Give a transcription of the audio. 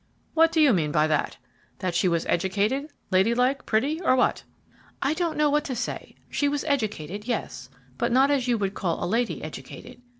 "What do you mean by that? That she was educated, lady like, pretty, or what?" "I don't know what to say. She was educated, yes, but not as you would call a lady educated.